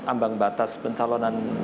ambang batas pencalonan